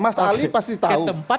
mas ali pasti tahu